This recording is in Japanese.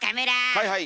はいはい。